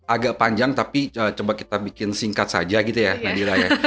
agak panjang tapi coba kita bikin singkat saja gitu ya nadira ya